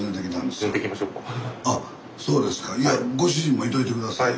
いやご主人もいといて下さいよ。